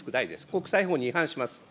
国際法に違反します。